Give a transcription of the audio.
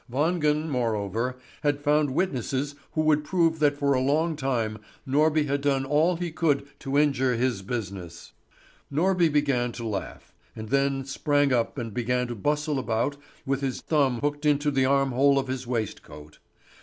Wangen, moreover, had found witnesses who would prove that for a long time Norby had done all he could to injure his business. Norby began to laugh, and then sprang up and began to bustle about with his thumb hooked into the armhole of his waistcoat.